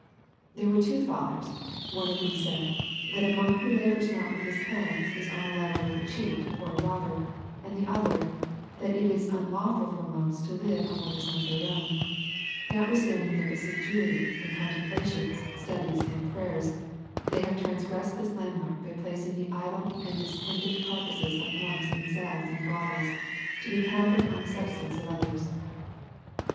There were two fathers, of whom one said, that a monk who labors not with his hands is on a level with a cheat or a robber; and the other, that it is unlawful for monks to live on what is not their own, notwithstanding their assiduity in contemplations, studies, and prayers; and they have transgressed this landmark by placing the idle and distended carcasses of monks in cells and brothels, to be pampered on the substance of others.